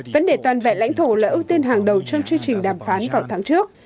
vấn đề toàn vẹn lãnh thổ là ưu tiên hàng đầu trong chương trình đàm phán vào tháng trước